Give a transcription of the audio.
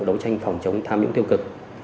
đấu tranh phòng chống tham nhũng tiêu cực